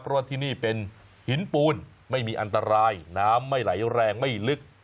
เพราะว่าที่นี่เป็นหินปูนไม่มีอันตรายน้ำไม่ไหลแรงไม่ลึก